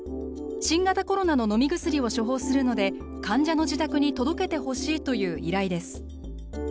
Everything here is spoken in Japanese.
新型コロナの飲み薬を処方するので患者の自宅に届けてほしいという依頼です。